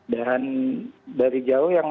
dan dari jauh yang